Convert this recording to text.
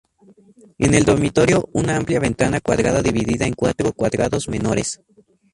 En el dormitorio, una amplia ventana cuadrada dividida en cuatro cuadrados menores.